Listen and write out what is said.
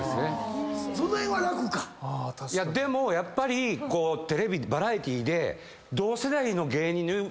でもやっぱりバラエティーで。